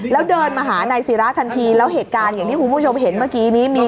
แล้วเดินมาหานายศิราทันทีแล้วเหตุการณ์อย่างที่คุณผู้ชมเห็นเมื่อกี้นี้มี